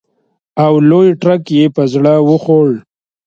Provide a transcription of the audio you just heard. او لوی تړک یې په زړه وخوړ.